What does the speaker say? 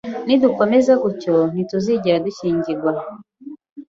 Nidukomeza gutya, ntituzigera dushyingirwa.